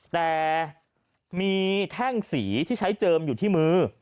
แต่มีแท่งสีที่ใช้เจิมอยู่ที่มือ